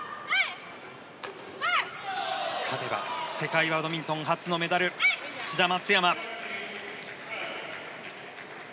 勝てば世界バドミントン初のメダル志田・松山。